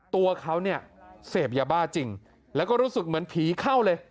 ตัวเขาเนี่ยเสพยาบ้าจริงแล้วก็รู้สึกเหมือนผีเข้าเลย